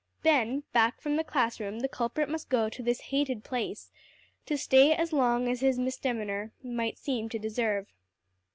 Then back from the class room the culprit must go to this hated place, to stay as long as his misdemeanor might seem to deserve.